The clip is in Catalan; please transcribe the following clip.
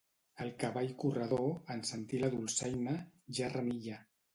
El cavall corredor, en sentir la dolçaina, ja renilla.